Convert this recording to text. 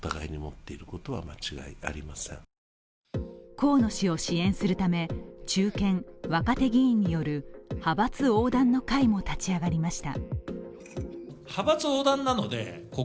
河野氏を支援するため中堅・若手議員による派閥横断の会も立ち上がりました。